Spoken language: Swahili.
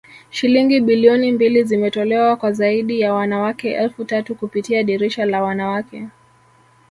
Shilingi bilioni mbili zimetolewa kwa zaidi ya wanawake elfu tatu kupitia dirisha la wanawake